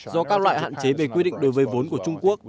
do các loại hạn chế về quy định đối với vốn của trung quốc